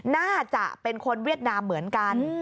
น่าจะเป็นคนเวียดนามเหมือนกัน